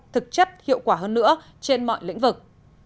thực chất hiệu quả hơn nữa trên mọi lĩnh vực